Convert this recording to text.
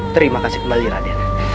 terima kasih kembali rai